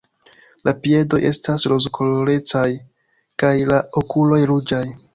La piedoj estas rozkolorecaj kaj la okuloj ruĝaj.